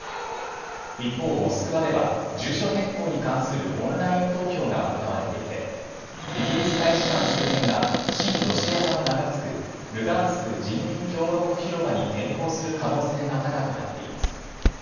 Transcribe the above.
一方、モスクワでは住所変更に関するオンライン投票が行われていて、イギリス大使館周辺が親ロシア派の名が付くルガンスク人民共和国広場に変更する可能性が高くなっています。